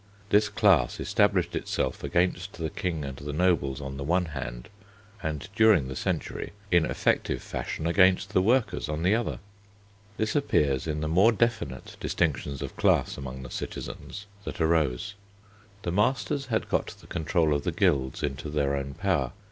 This class established itself against the King and the nobles on the one hand, and during the century in effective fashion against the workers on the other. This appears in the more definite distinctions of class among the citizens that arose. The masters had got the control of the guilds into their own power.